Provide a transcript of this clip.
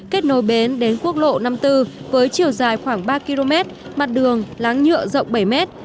kết nối bến đến quốc lộ năm mươi bốn với chiều dài khoảng ba km mặt đường láng nhựa rộng bảy mét